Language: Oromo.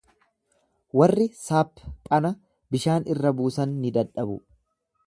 Warri saapphana bishaan irra buusan ni dadhabu.